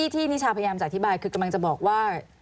นิชาพยายามจะอธิบายคือกำลังจะบอกว่า